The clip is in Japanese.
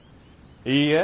いいえ。